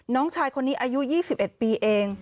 น้องชายคนนี้อายุ๒๑ปีเอง